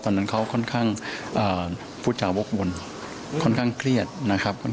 ตอนนั้นเขาค่อนข้างพูดจาวกวนค่อนข้างเครียดนะครับ